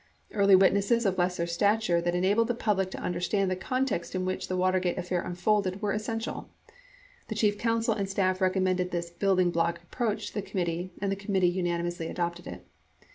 Early witnesses of lesser stature that enabled the public to understand the context in which the Watergate affair unfolded were essential. The chief counsel and staff recommended this "building block" approach to the commit tee and the committee unanimously adopted it.